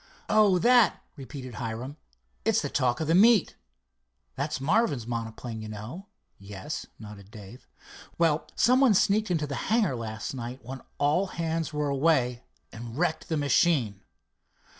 "Oh, that?" repeated Hiram. "It's the talk of the meet. That's Marvin's monoplane, you know." "Yes," nodded Dave. "Well, some one sneaked into the hangar last night, when all hands were away, and wrecked the machine."